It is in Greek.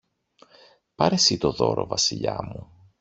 Πάρε συ το δώρο, Βασιλιά μου